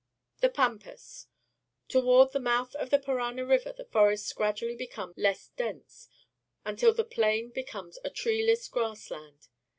The Pampas. — Toward the mouth of the Parana River the forests gradually become less dense, until the plain becomes a treeless grass land.